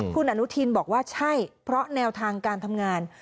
คุณอนุทินบอกว่าใช่เพราะแนวทางการทำงาน